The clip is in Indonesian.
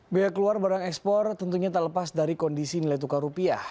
biaya keluar barang ekspor tentunya tak lepas dari kondisi nilai tukar rupiah